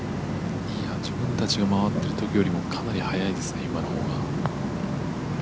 いや自分たちが回っている時よりもかなり早いですね、今のほうが。